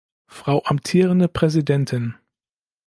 Frau amtierende Präsidentin!